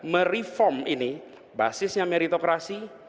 mereform ini basisnya meritokrasi